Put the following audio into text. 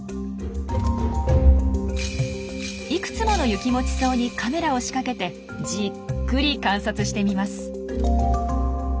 いくつものユキモチソウにカメラを仕掛けてじっくり観察してみます。